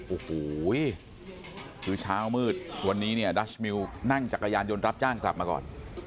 โอ้โหคือเช้ามืดวันนี้เนี่ยดัชมิวนั่งจักรยานยนต์รับจ้างกลับมาก่อน